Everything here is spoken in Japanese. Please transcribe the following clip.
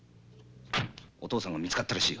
お父さんが見つかったらしい。